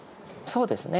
そうですね。